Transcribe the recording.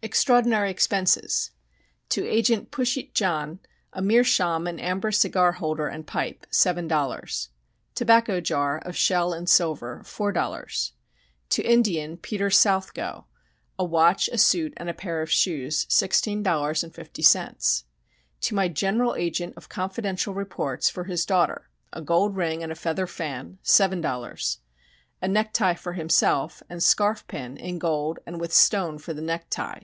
EXTRAORDINARY EXPENSES To Agent Pushyt John, a meerschaum and amber cigar holder and pipe ...........$ 7.00 Tobacco jar of shell and silver ...........$ 4.00 To Indian Peter South Go, a watch, a suit, and a pair of shoes ........... $16.50 To my general agent of confidential reports for his daughter, a gold ring and a feather fan ...........$ 7.00 A necktie for himself and scarf pin in gold and with stone for the necktie